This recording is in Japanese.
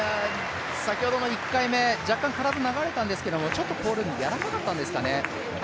先ほどの１回目、若干、体が流れたんですけどちょっとポールがやわらかかったんですかね。